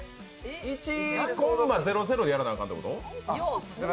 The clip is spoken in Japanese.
１．００でやらなきゃあかんってこと？